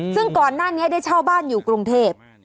ซึ่งก่อนหน้านี้ได้เช่าบ้านอยู่กรุงเทพ